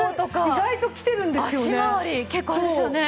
意外ときてるんですよね。